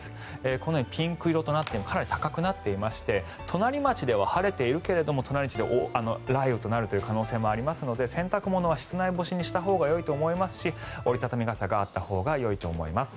このようにピンク色となっていてかなり高くなっていまして隣町では晴れているけど隣町では雷雨となる可能性もありますので洗濯物は室内干しにしたほうがよいと思いますし折り畳み傘があったほうがよいと思います。